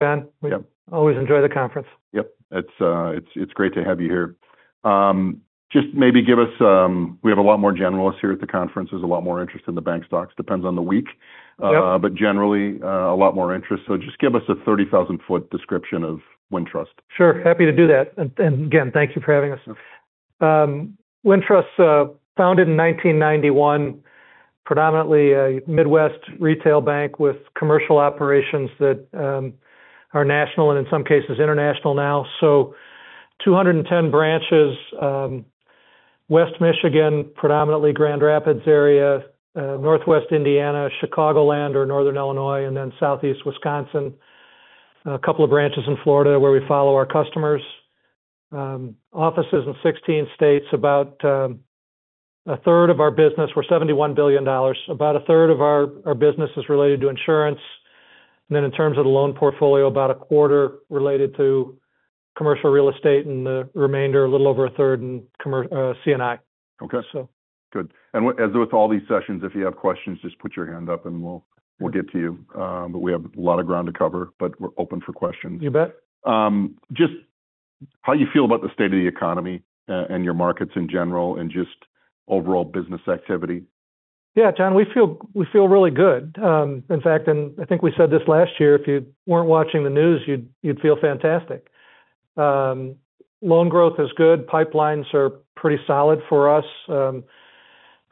Ben. Yep. We always enjoy the conference. Yep. It's great to have you here. Just maybe give us. We have a lot more generalists here at the conference. There's a lot more interest in the bank stocks. Depends on the week. Yep. Generally, a lot more interest. Just give us a 30,000-foot description of Wintrust. Sure. Happy to do that. Again, thank you for having us. Wintrust, founded in 1991. Predominantly a Midwest retail bank with commercial operations that are national and in some cases international now. 210 branches, West Michigan, predominantly Grand Rapids area, Northwest Indiana, Chicagoland or Northern Illinois, and then Southeast Wisconsin. A couple of branches in Florida where we follow our customers. Offices in 16 states. About a third of our business. We're $71 billion. About a third of our business is related to insurance. In terms of the loan portfolio, about a quarter related to commercial real estate and the remainder, a little over a third in C&I. Okay. So. Good. As with all these sessions, if you have questions, just put your hand up and we'll get to you. But we have a lot of ground to cover, but we're open for questions. You bet. Just how you feel about the state of the economy, and your markets in general and just overall business activity? Yeah, Jon, we feel really good. In fact, I think we said this last year, if you weren't watching the news, you'd feel fantastic. Loan growth is good. Pipelines are pretty solid for us.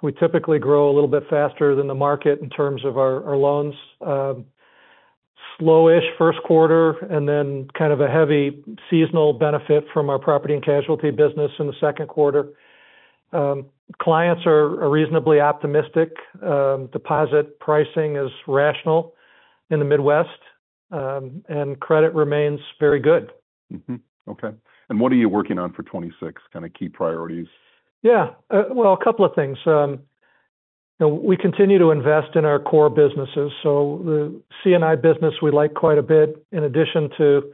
We typically grow a little bit faster than the market in terms of our loans. Slow-ish Q1 and then kind of a heavy seasonal benefit from our property and casualty business in the Q2. Clients are reasonably optimistic. Deposit pricing is rational in the Midwest, and credit remains very good. What are you working on for 2026? Kinda key priorities. Yeah. Well, a couple of things. You know, we continue to invest in our core businesses. The C&I business we like quite a bit. In addition to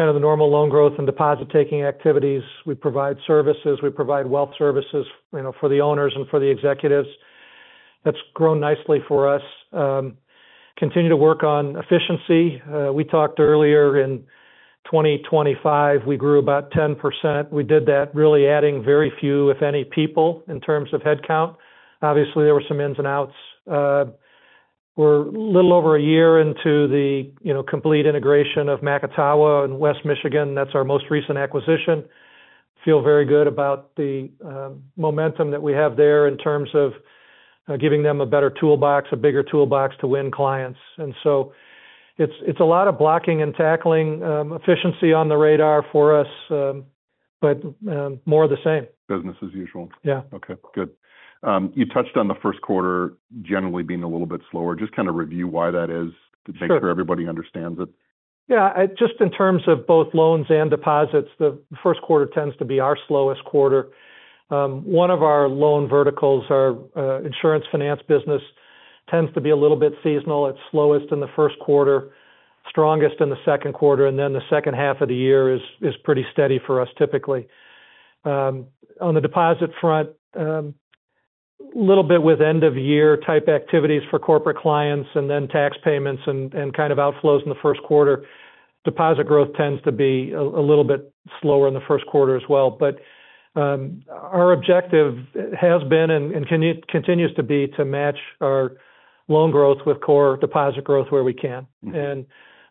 kind of the normal loan growth and deposit-taking activities, we provide services. We provide wealth services, you know, for the owners and for the executives. That's grown nicely for us. Continue to work on efficiency. We talked earlier in 2025, we grew about 10%. We did that really adding very few, if any, people in terms of head count. Obviously, there were some ins and outs. We're a little over a year into the, you know, complete integration of Macatawa in West Michigan. That's our most recent acquisition. Feel very good about the, momentum that we have there in terms of, giving them a better toolbox, a bigger toolbox to win clients. It's a lot of blocking and tackling, efficiency on the radar for us, but more of the same. Business as usual. Yeah. Okay. Good. You touched on the Q1 generally being a little bit slower. Just kind of review why that is. Sure To make sure everybody understands it. Yeah. Just in terms of both loans and deposits, the Q1 tends to be our slowest quarter. One of our loan verticals, our insurance finance business tends to be a little bit seasonal. It's slowest in the Q1, strongest in the Q2, and then the second half of the year is pretty steady for us typically. On the deposit front, little bit with end-of-year type activities for corporate clients and then tax payments and kind of outflows in the Q1. Deposit growth tends to be a little bit slower in the Q1 as well. Our objective has been and continues to be to match our loan growth with core deposit growth where we can. Mm-hmm.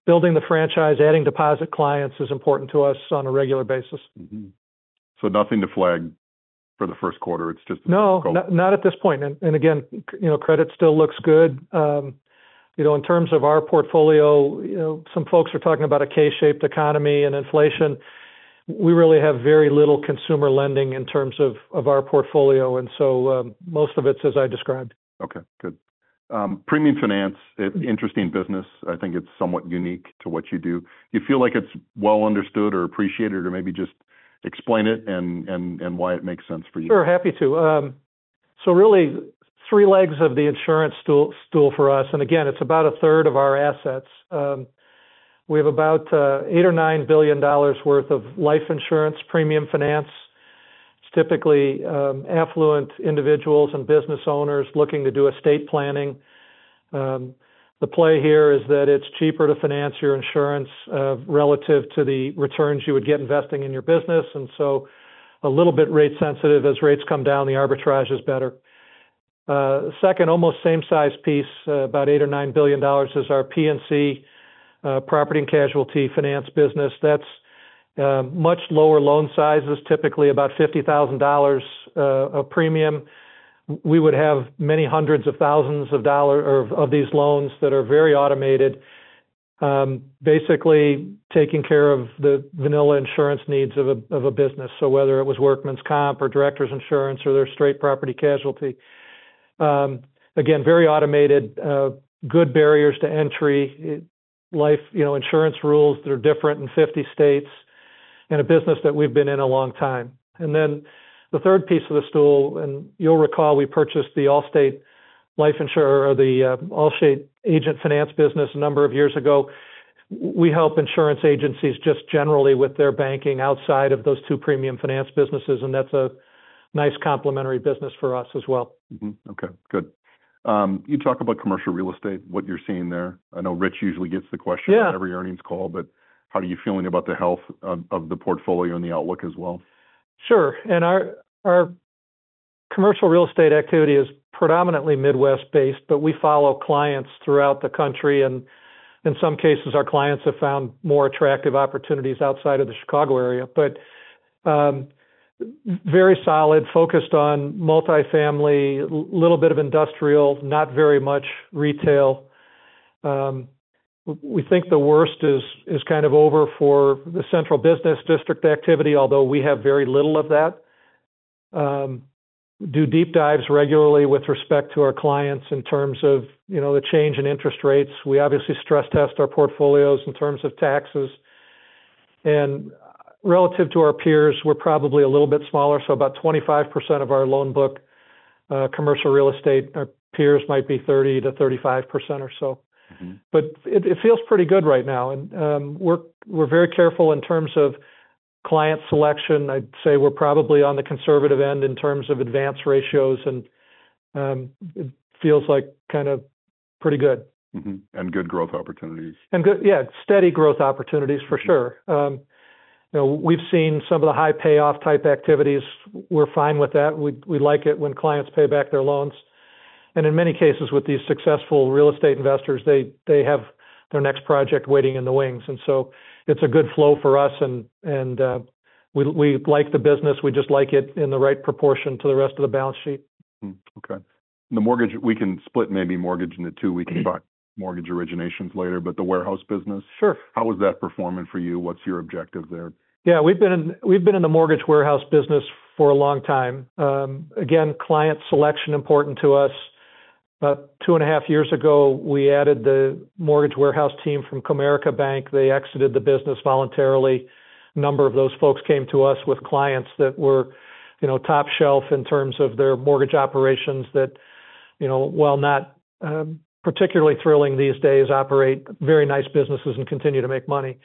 Building the franchise, adding deposit clients is important to us on a regular basis. Nothing to flag for the Q1. It's just the scope. No. Not at this point. Again, you know, credit still looks good. You know, in terms of our portfolio, you know, some folks are talking about a K-shaped economy and inflation. We really have very little consumer lending in terms of our portfolio. Most of it's as I described. Okay. Good. Premium finance, interesting business. I think it's somewhat unique to what you do. Do you feel like it's well understood or appreciated or maybe just explain it and why it makes sense for you? Sure. Happy to. Really three legs of the insurance stool for us. Again, it's about a third of our assets. We have about $8 billion-$9 billion worth of life insurance premium finance. It's typically affluent individuals and business owners looking to do estate planning. The play here is that it's cheaper to finance your insurance relative to the returns you would get investing in your business, and so a little bit rate sensitive. As rates come down, the arbitrage is better. Second almost same size piece, about $8 billion-$9 billion is our P&C, property and casualty finance business. That's much lower loan sizes, typically about $50,000 of premium. We would have many hundreds of thousands of these loans that are very automated, basically taking care of the vanilla insurance needs of a business. Whether it was workman's comp or director's insurance or their straight property casualty. Again, very automated, good barriers to entry. Life, you know, insurance rules that are different in 50 states, and a business that we've been in a long time. Then the third piece of the stool, and you'll recall we purchased the Allstate life insurer or the Allstate agent finance business a number of years ago. We help insurance agencies just generally with their banking outside of those two premium finance businesses, and that's a nice complementary business for us as well. Okay. Good. You talk about commercial real estate, what you're seeing there. I know Rich usually gets the question. Yeah On every earnings call, but how are you feeling about the health of the portfolio and the outlook as well? Sure. Our commercial real estate activity is predominantly Midwest-based, but we follow clients throughout the country. In some cases, our clients have found more attractive opportunities outside of the Chicago area. Very solid, focused on multi-family, little bit of industrial, not very much retail. We think the worst is kind of over for the central business district activity, although we have very little of that. We do deep dives regularly with respect to our clients in terms of, you know, the change in interest rates. We obviously stress test our portfolios in terms of taxes. Relative to our peers, we're probably a little bit smaller, so about 25% of our loan book, commercial real estate. Our peers might be 30%-35% or so. Mm-hmm. It feels pretty good right now. We're very careful in terms of client selection. I'd say we're probably on the conservative end in terms of advance ratios and it feels like kind of pretty good. Good growth opportunities. Yeah, steady growth opportunities, for sure. You know, we've seen some of the high payoff type activities. We're fine with that. We like it when clients pay back their loans. In many cases, with these successful real estate investors, they have their next project waiting in the wings. It's a good flow for us and we like the business. We just like it in the right proportion to the rest of the balance sheet. The mortgage, we can split maybe mortgage into two. We can talk mortgage originations later, but the warehouse business. Sure. How is that performing for you? What's your objective there? Yeah. We've been in the mortgage warehouse business for a long time. Again, client selection important to us. About two and a half years ago, we added the mortgage warehouse team from Comerica Bank. They exited the business voluntarily. A number of those folks came to us with clients that were, you know, top shelf in terms of their mortgage operations that, you know, while not particularly thrilling these days, operate very nice businesses and continue to make money.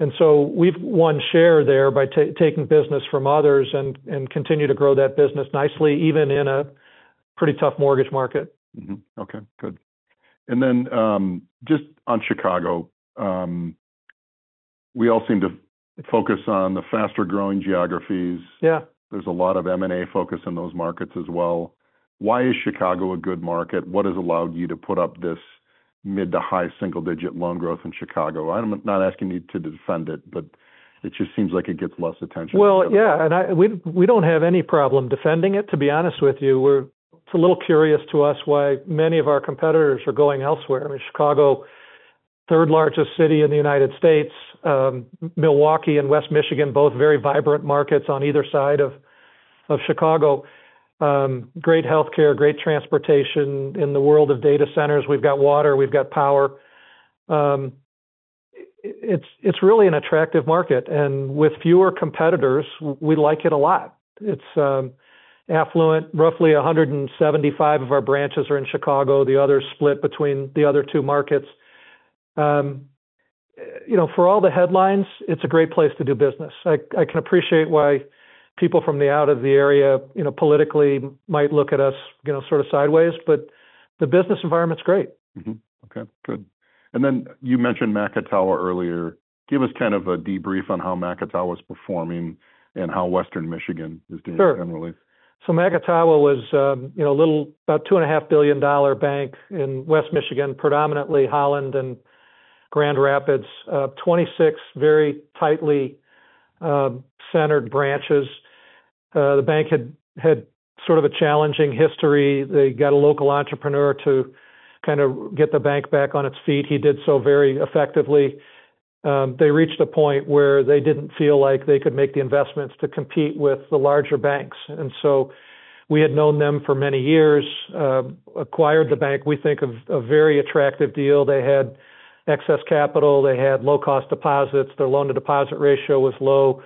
We've won share there by taking business from others and continue to grow that business nicely, even in a pretty tough mortgage market. Okay, good. Just on Chicago, we all seem to focus on the faster-growing geographies. Yeah. There's a lot of M&A focus in those markets as well. Why is Chicago a good market? What has allowed you to put up this mid to high single digit loan growth in Chicago? I'm not asking you to defend it, but it just seems like it gets less attention. Well, yeah. We don't have any problem defending it, to be honest with you. It's a little curious to us why many of our competitors are going elsewhere. Chicago, third largest city in the United States. Milwaukee and West Michigan, both very vibrant markets on either side of Chicago. Great healthcare, great transportation. In the world of data centers, we've got water, we've got power. It's really an attractive market. With fewer competitors, we like it a lot. It's affluent. Roughly 175 of our branches are in Chicago. The others split between the other two markets. You know, for all the headlines, it's a great place to do business. I can appreciate why people from out of the area, you know, politically might look at us, you know, sort of sideways, but the business environment's great. You mentioned Macatawa earlier. Give us kind of a debrief on how Macatawa is performing and how Western Michigan is doing generally. Sure. Macatawa was, you know, a little about $2.5 billion bank in West Michigan, predominantly Holland and Grand Rapids. 26 very tightly centered branches. The bank had sort of a challenging history. They got a local entrepreneur to kind of get the bank back on its feet. He did so very effectively. They reached a point where they didn't feel like they could make the investments to compete with the larger banks. We had known them for many years, acquired the bank. We think of a very attractive deal. They had excess capital. They had low-cost deposits. Their loan-to-deposit ratio was low.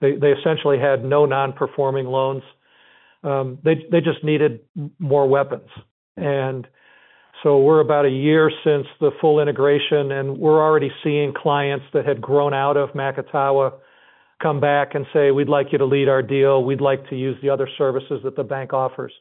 They essentially had no non-performing loans. They just needed more weapons. We're about a year since the full integration, and we're already seeing clients that had grown out of Macatawa come back and say, "We'd like you to lead our deal. We'd like to use the other services that the bank offers."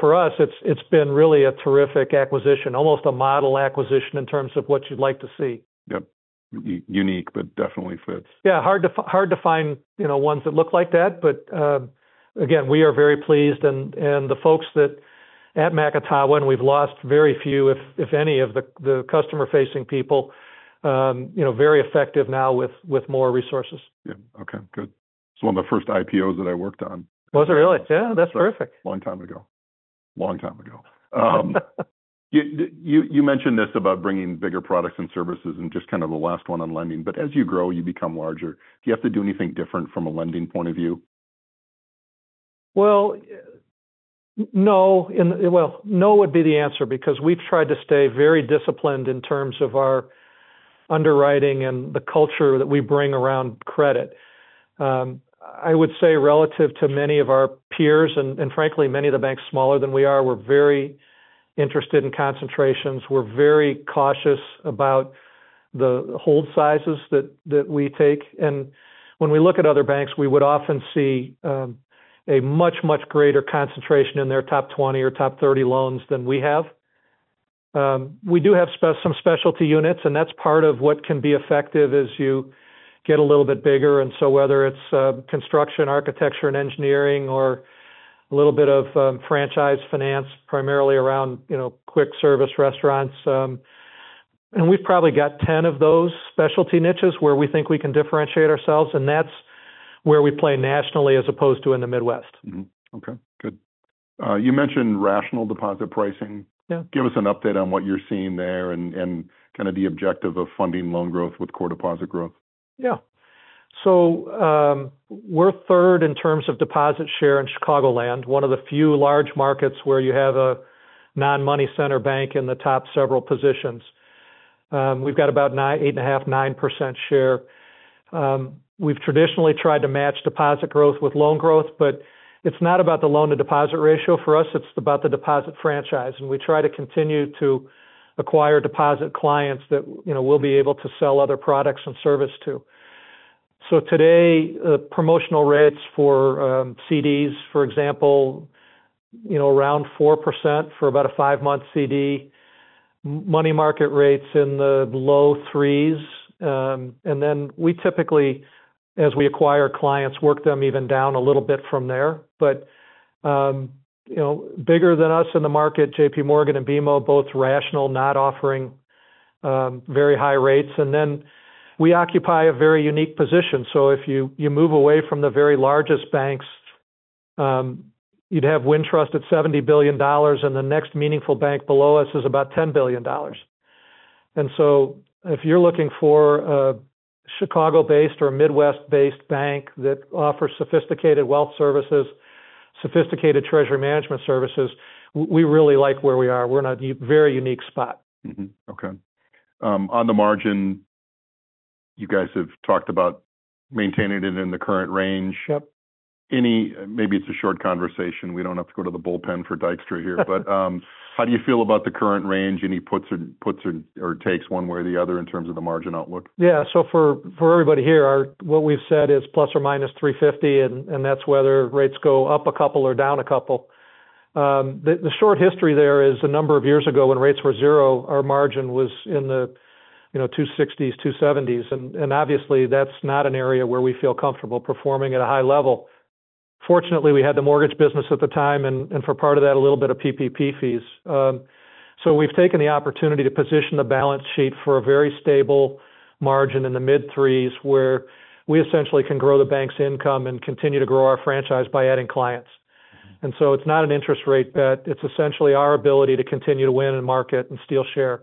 For us, it's been really a terrific acquisition, almost a model acquisition in terms of what you'd like to see. Yep. Unique but definitely fits. Yeah. Hard to find, you know, ones that look like that. Again, we are very pleased and the folks at Macatawa, and we've lost very few, if any, of the customer-facing people, you know, very effective now with more resources. Yeah. Okay, good. It's one of the first IPOs that I worked on. Was it really? Yeah, that's terrific. Long time ago. You mentioned this about bringing bigger products and services and just kind of the last one on lending, but as you grow, you become larger. Do you have to do anything different from a lending point of view? Well, no would be the answer because we've tried to stay very disciplined in terms of our underwriting and the culture that we bring around credit. I would say relative to many of our peers, and frankly, many of the banks smaller than we are, we're very interested in concentrations. We're very cautious about the hold sizes that we take. When we look at other banks, we would often see a much greater concentration in their top 20 or top 30 loans than we have. We do have some specialty units, and that's part of what can be effective as you get a little bit bigger. Whether it's construction, architecture, and engineering or a little bit of franchise finance, primarily around, you know, quick service restaurants. We've probably got 10 of those specialty niches where we think we can differentiate ourselves, and that's where we play nationally as opposed to in the Midwest. Mm-hmm. Okay, good. You mentioned rational deposit pricing. Yeah. Give us an update on what you're seeing there and kind of the objective of funding loan growth with core deposit growth. Yeah. We're third in terms of deposit share in Chicagoland, one of the few large markets where you have a non-money center bank in the top several positions. We've got about 8.5%, 9% share. We've traditionally tried to match deposit growth with loan growth, but it's not about the loan-to-deposit ratio for us, it's about the deposit franchise, and we try to continue to acquire deposit clients that, you know, we'll be able to sell other products and service to. Today, promotional rates for CDs, for example, you know, around 4% for about a five month CD. Money market rates in the low 3s. We typically, as we acquire clients, work them even down a little bit from there. You know, bigger than us in the market, JPMorgan and BMO, both rational, not offering very high rates. We occupy a very unique position. If you move away from the very largest banks, you'd have Wintrust at $70 billion, and the next meaningful bank below us is about $10 billion. If you're looking for a Chicago-based or a Midwest-based bank that offers sophisticated wealth services, sophisticated treasury management services, we really like where we are. We're in a very unique spot. Mm-hmm. Okay. On the margin, you guys have talked about maintaining it in the current range. Yep. Maybe it's a short conversation. We don't have to go to the bullpen for Dykstra here. How do you feel about the current range? Any puts or takes one way or the other in terms of the margin outlook? For everybody here, what we've said is ±3.50%, and that's whether rates go up a couple or down a couple. The short history there is a number of years ago when rates were 0%, our margin was in the, you know, 2.60s, 2.70s, and obviously that's not an area where we feel comfortable performing at a high level. Fortunately, we had the mortgage business at the time and for part of that, a little bit of PPP fees. We've taken the opportunity to position the balance sheet for a very stable margin in the mid-3s, where we essentially can grow the bank's income and continue to grow our franchise by adding clients. It's not an interest rate bet, it's essentially our ability to continue to win and market and steal share.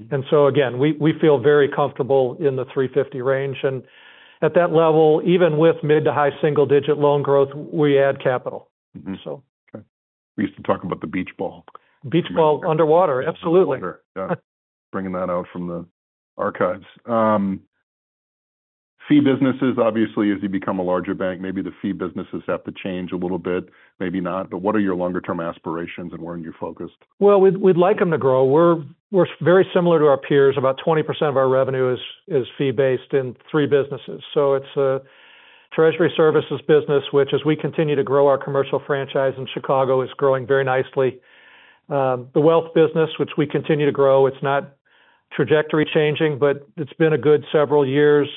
Mm-hmm. We feel very comfortable in the 350 range. At that level, even with mid- to high-single-digit loan growth, we add capital. Mm-hmm. So. Okay. We used to talk about the beach ball. Beach ball underwater, absolutely. Underwater, yeah. Bringing that out from the archives. Fee businesses, obviously, as you become a larger bank, maybe the fee businesses have to change a little bit, maybe not. What are your longer term aspirations and where are you focused? Well, we'd like them to grow. We're very similar to our peers. About 20% of our revenue is fee based in three businesses. It's a treasury services business, which as we continue to grow our commercial franchise in Chicago, is growing very nicely. The wealth business, which we continue to grow, it's not trajectory changing, but it's been a good several years.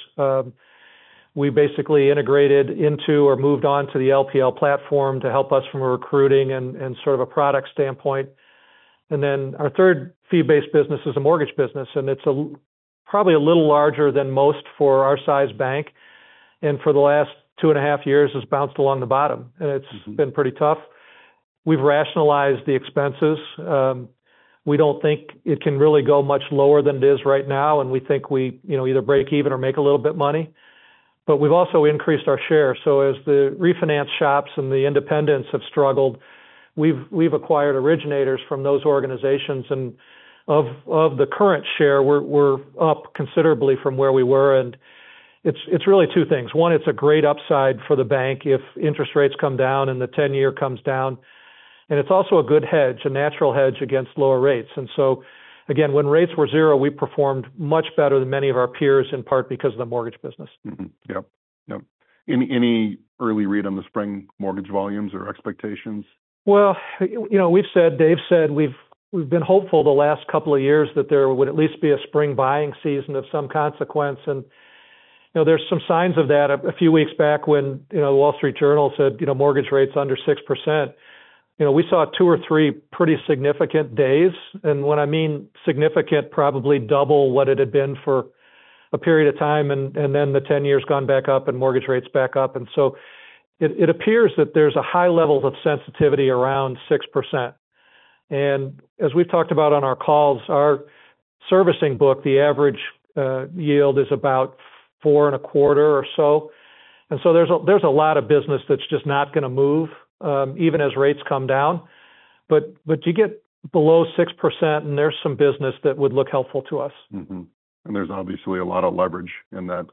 We basically integrated into or moved on to the LPL platform to help us from a recruiting and sort of a product standpoint. Our third fee-based business is a mortgage business, and it's probably a little larger than most for our size bank, and for the last two and a half years has bounced along the bottom. Mm-hmm. It's been pretty tough. We've rationalized the expenses. We don't think it can really go much lower than it is right now, and we think we you know either break even or make a little bit money. We've also increased our share. As the refinance shops and the independents have struggled, we've acquired originators from those organizations. Of the current share, we're up considerably from where we were. It's really two things. One, it's a great upside for the bank if interest rates come down and the ten-year comes down. It's also a good hedge, a natural hedge against lower rates. Again, when rates were zero, we performed much better than many of our peers, in part because of the mortgage business. Mm-hmm. Yep. Yep. Any early read on the spring mortgage volumes or expectations? Well, you know, we've said, Dave said we've been hopeful the last couple of years that there would at least be a spring buying season of some consequence. You know, there's some signs of that. A few weeks back when, you know, The Wall Street Journal said, you know, mortgage rates under 6%, you know, we saw two or three pretty significant days. When I mean significant, probably double what it had been for a period of time, and then the 10-year's gone back up and mortgage rates back up. So it appears that there's a high level of sensitivity around 6%. As we've talked about on our calls, our servicing book, the average yield is about four and a quarter or so. There's a lot of business that's just not gonna move, even as rates come down. You get below 6% and there's some business that would look helpful to us. There's obviously a lot of leverage in that.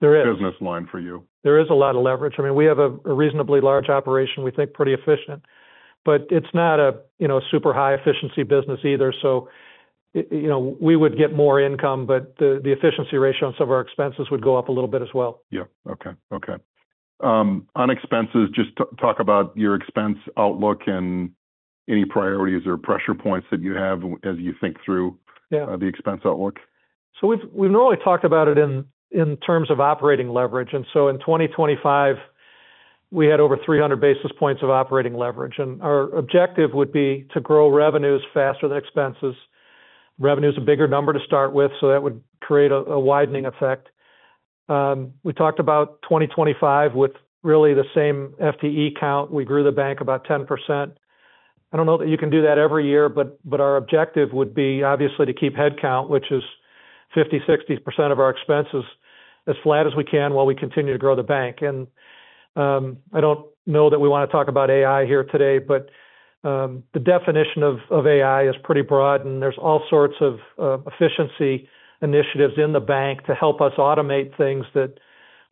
There is. Business line for you. There is a lot of leverage. I mean, we have a reasonably large operation. We think pretty efficient. It's not a, you know, super high efficiency business either, so you know, we would get more income, but the efficiency ratio on some of our expenses would go up a little bit as well. On expenses, just talk about your expense outlook and any priorities or pressure points that you have as you think through. Yeah The expense outlook. We've normally talked about it in terms of operating leverage. In 2025 we had over 300 basis points of operating leverage. Our objective would be to grow revenues faster than expenses. Revenue's a bigger number to start with, so that would create a widening effect. We talked about 2025 with really the same FTE count. We grew the bank about 10%. I don't know that you can do that every year, but our objective would be obviously to keep head count, which is 50%-60% of our expenses, as flat as we can while we continue to grow the bank. I don't know that we wanna talk about AI here today, but the definition of AI is pretty broad, and there's all sorts of efficiency initiatives in the bank to help us automate things that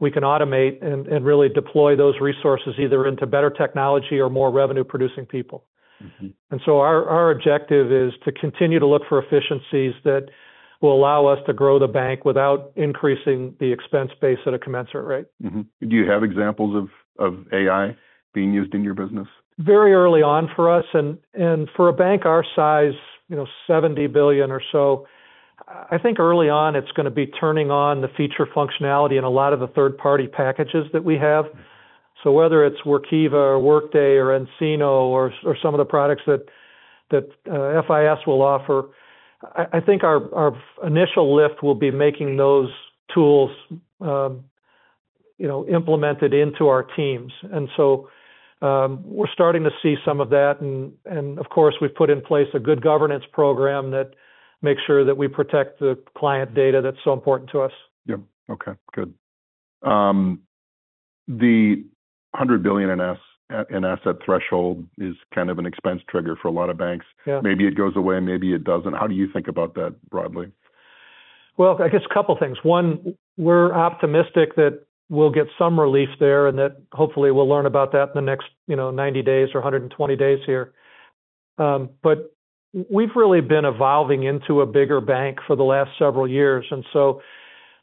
we can automate and really deploy those resources either into better technology or more revenue-producing people. Mm-hmm. Our objective is to continue to look for efficiencies that will allow us to grow the bank without increasing the expense base at a commensurate rate. Mm-hmm. Do you have examples of AI being used in your business? Very early on for us. For a bank our size, you know, $70 billion or so, I think early on it's gonna be turning on the feature functionality in a lot of the third-party packages that we have. Whether it's Workiva or Workday or nCino or some of the products that FIS will offer, I think our initial lift will be making those tools, you know, implemented into our teams. We're starting to see some of that. Of course, we've put in place a good governance program that makes sure that we protect the client data that's so important to us. Yeah. Okay. Good. The $100 billion assets threshold is kind of an expense trigger for a lot of banks. Yeah. Maybe it goes away, maybe it doesn't. How do you think about that broadly? Well, I guess a couple things. One, we're optimistic that we'll get some relief there, and that hopefully we'll learn about that in the next, you know, 90 days or 120 days here. We've really been evolving into a bigger bank for the last several years.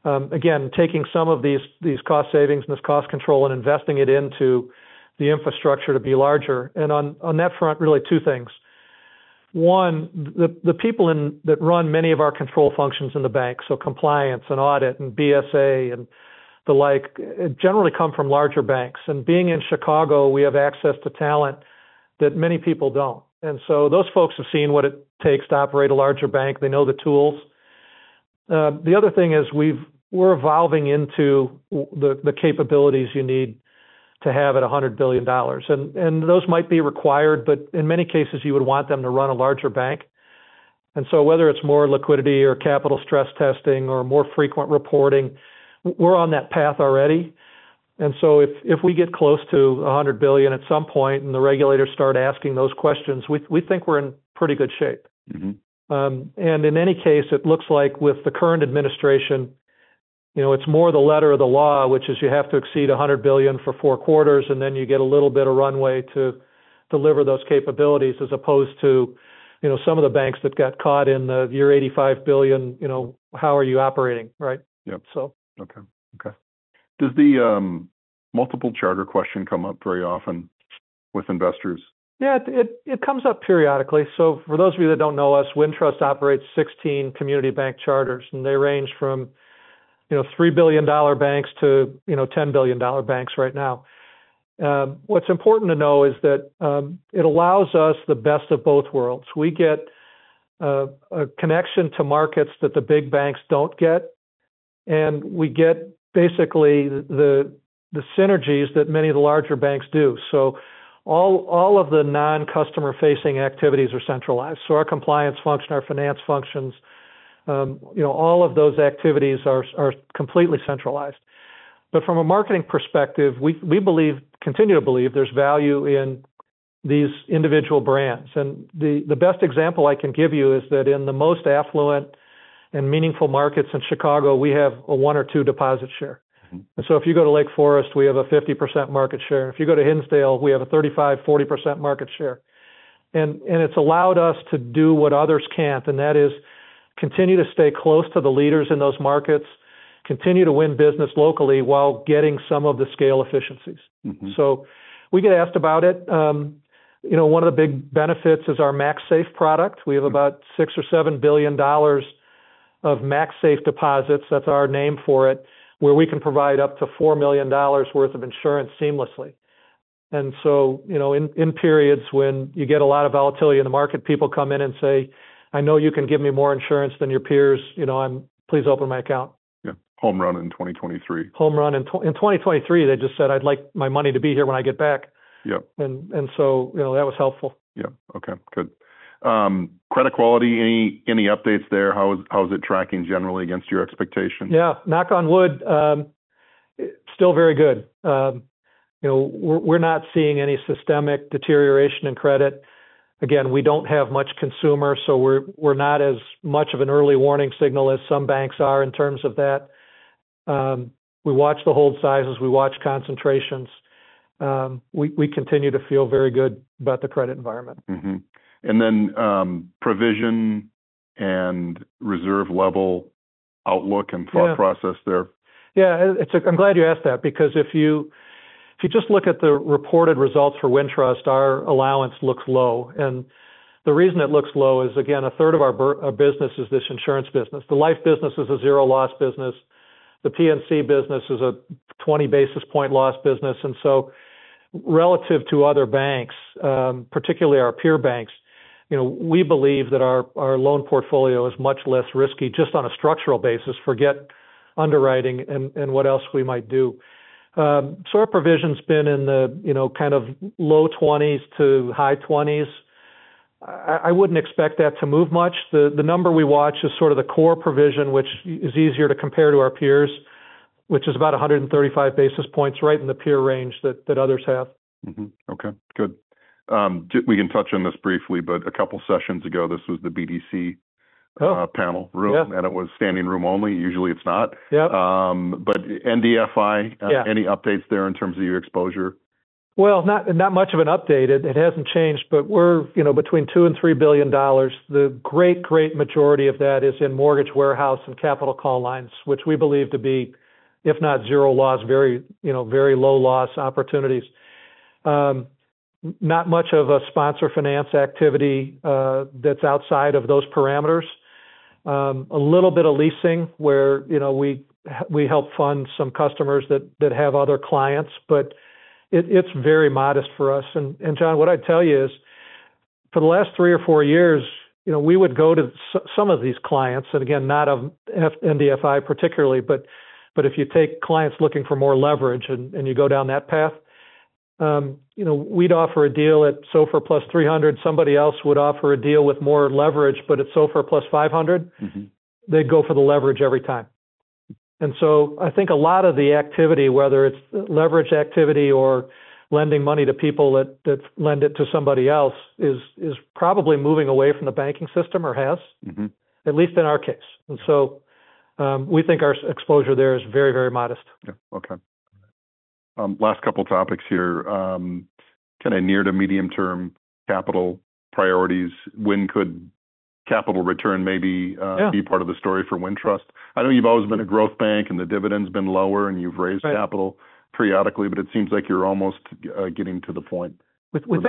Again, taking some of these cost savings and this cost control and investing it into the infrastructure to be larger. On that front, really two things. One, the people that run many of our control functions in the bank, so compliance and audit and BSA and the like, generally come from larger banks. Being in Chicago, we have access to talent that many people don't. Those folks have seen what it takes to operate a larger bank. They know the tools. The other thing is we're evolving into the capabilities you need to have at $100 billion. Those might be required, but in many cases you would want them to run a larger bank. Whether it's more liquidity or capital stress testing or more frequent reporting, we're on that path already. If we get close to $100 billion at some point and the regulators start asking those questions, we think we're in pretty good shape. Mm-hmm. In any case, it looks like with the current administration, you know, it's more the letter of the law, which is you have to exceed $100 billion for four quarters, and then you get a little bit of runway to deliver those capabilities as opposed to, you know, some of the banks that got caught in the if you're $85 billion, you know, how are you operating, right? Yep. So. Okay. Does the multiple charter question come up very often with investors? Yeah. It comes up periodically. For those of you that don't know us, Wintrust operates 16 community bank charters, and they range from, you know, $3 billion banks to, you know, $10 billion banks right now. What's important to know is that it allows us the best of both worlds. We get a connection to markets that the big banks don't get, and we get basically the synergies that many of the larger banks do. All of the non-customer facing activities are centralized. Our compliance function, our finance functions, you know, all of those activities are completely centralized. But from a marketing perspective, we continue to believe there's value in these individual brands. The best example I can give you is that in the most affluent and meaningful markets in Chicago, we have a one or two deposit share. Mm-hmm. If you go to Lake Forest, we have a 50% market share. If you go to Hinsdale, we have a 35%-40% market share. It's allowed us to do what others can't, and that is continue to stay close to the leaders in those markets, continue to win business locally while getting some of the scale efficiencies. Mm-hmm. We get asked about it. You know, one of the big benefits is our MaxSafe product. We have about $6 billion-$7 billion of MaxSafe deposits, that's our name for it, where we can provide up to $4 million worth of insurance seamlessly. You know, in periods when you get a lot of volatility in the market, people come in and say, "I know you can give me more insurance than your peers. You know, please open my account. Yeah. Home run in 2023. Home run in 2023, they just said, "I'd like my money to be here when I get back. Yep. You know, that was helpful. Yep. Okay. Good. Credit quality, any updates there? How is it tracking generally against your expectations? Yeah. Knock on wood, still very good. You know, we're not seeing any systemic deterioration in credit. Again, we don't have much consumer, so we're not as much of an early warning signal as some banks are in terms of that. We watch the hold sizes, we watch concentrations. We continue to feel very good about the credit environment. Provision and reserve level outlook. Yeah. Thought process there. Yeah. It's—I'm glad you asked that because if you just look at the reported results for Wintrust, our allowance looks low. The reason it looks low is, again, a third of our business is this insurance business. The life business is a zero loss business. The P&C business is a 20 basis point loss business. Relative to other banks, particularly our peer banks, you know, we believe that our loan portfolio is much less risky just on a structural basis, forget underwriting and what else we might do. So our provision's been in the, you know, kind of low 20s to high 20s. I wouldn't expect that to move much. The number we watch is sort of the core provision, which is easier to compare to our peers, which is about 135 basis points right in the peer range that others have. We can touch on this briefly, but a couple sessions ago, this was the BDC- Oh. Panel room. Yeah. It was standing room only. Usually it's not. Yeah. NBFI Yeah. Any updates there in terms of your exposure? Well, not much of an update. It hasn't changed, but we're, you know, between $2 billion and $3 billion. The great majority of that is in mortgage warehouse and capital call lines, which we believe to be, if not zero loss, very, you know, very low loss opportunities. Not much of a sponsor finance activity that's outside of those parameters. A little bit of leasing where, you know, we help fund some customers that have other clients, but it's very modest for us. Jon, what I'd tell you is for the last three or four years, you know, we would go to some of these clients, and again, not the NBFI particularly, but if you take clients looking for more leverage and you go down that path, you know, we'd offer a deal at SOFR +300. Somebody else would offer a deal with more leverage, but it's SOFR +500. Mm-hmm. They'd go for the leverage every time. I think a lot of the activity, whether it's leverage activity or lending money to people that lend it to somebody else, is probably moving away from the banking system or has. Mm-hmm. At least in our case. We think our exposure there is very, very modest. Yeah. Okay. Last couple topics here. Kinda near to medium-term capital priorities. When could capital return maybe? Yeah Be part of the story for Wintrust? I know you've always been a growth bank and the dividend's been lower, and you've raised Right Capital periodically, but it seems like you're almost getting to the point. We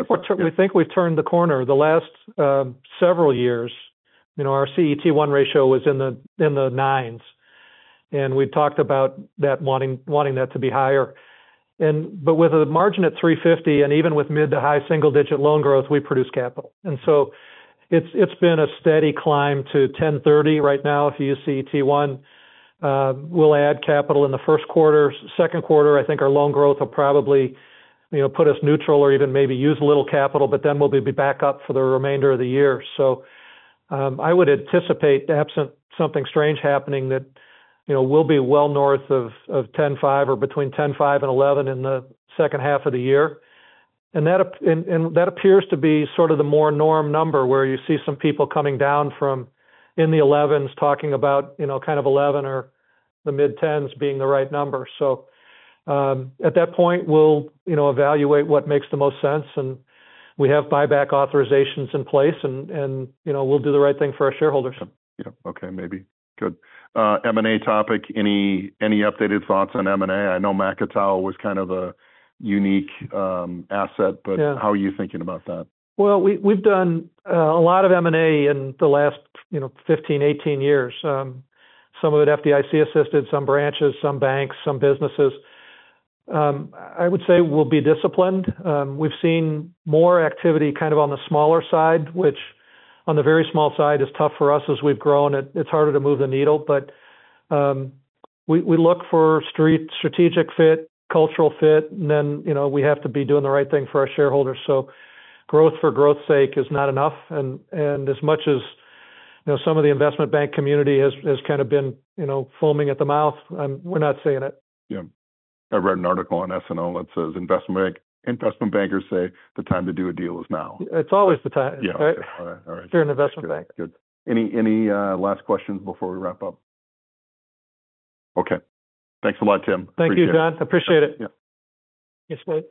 think we've turned the corner the last several years. You know, our CET1 ratio was in the nines, and we've talked about that wanting that to be higher, but with a margin at 3.50% and even with mid- to high single-digit loan growth, we produce capital. It's been a steady climb to 10.30% right now if you use CET1. We'll add capital in the Q1. Q2, I think our loan growth will probably, you know, put us neutral or even maybe use a little capital, but then we'll be back up for the remainder of the year. I would anticipate, absent something strange happening that, you know, we'll be well north of 10.5% or between 10.5% and 11% in the second half of the year. That appears to be sort of the more norm number, where you see some people coming down from in the 11s talking about, you know, kind of 11 or the mid-10s being the right number. At that point, we'll, you know, evaluate what makes the most sense, and we have buyback authorizations in place and, you know, we'll do the right thing for our shareholders. Yeah. Okay, maybe. Good. M&A topic. Any updated thoughts on M&A? I know Macatawa was kind of a unique asset- Yeah How are you thinking about that? Well, we've done a lot of M&A in the last, you know, 15, 18 years. Some of it FDIC-assisted, some branches, some banks, some businesses. I would say we'll be disciplined. We've seen more activity kind of on the smaller side, which on the very small side is tough for us as we've grown. It's harder to move the needle. We look for strategic fit, cultural fit, and then, you know, we have to be doing the right thing for our shareholders. Growth for growth's sake is not enough and as much as, you know, some of the investment bank community has kind of been, you know, foaming at the mouth, we're not seeing it. Yeah. I read an article on SNL that says investment bankers say the time to do a deal is now. It's always the time. Yeah. Right? All right. All right. If you're an investment bank. Good. Any last questions before we wrap up? Okay. Thanks a lot, Tim. Appreciate it. Thank you, Jon. Appreciate it. Yeah.